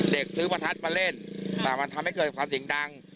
ซื้อประทัดมาเล่นแต่มันทำให้เกิดความเสียงดัง